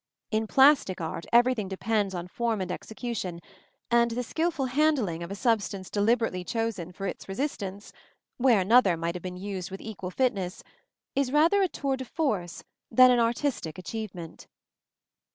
In plastic art everything depends on form and execution, and the skilful handling of a substance deliberately chosen for its resistance (where another might have been used with equal fitness) is rather a tour de force than an artistic achievement.